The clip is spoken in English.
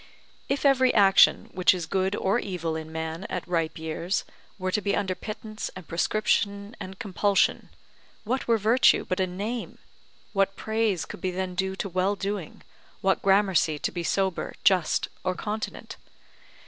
If every action, which is good or evil in man at ripe years, were to be under pittance and prescription and compulsion, what were virtue but a name, what praise could be then due to well doing, what gramercy to be sober, just, or continent?